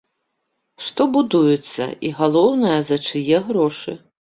Што будуецца і, галоўнае, за чые грошы.